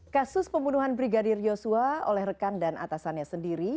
kasus pembunuhan brigadir yosua oleh rekan dan atasannya sendiri